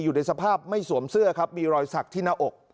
อยู่ในสภาพไม่สวมเสื้อครับมีรอยสักที่หน้าอก